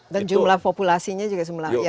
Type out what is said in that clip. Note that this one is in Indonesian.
dan jumlah populasinya juga semuanya